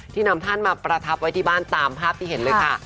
นำท่านมาประทับไว้ที่บ้านตามภาพที่เห็นเลยค่ะ